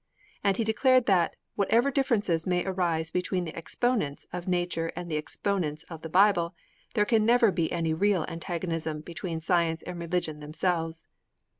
And he declared that, whatever differences may arise between the exponents of Nature and the exponents of the Bible, there can never be any real antagonism between Science and Religion themselves.